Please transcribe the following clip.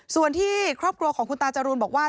ส่วนที่ครอบครัวของคุณตาจรูนบอกว่า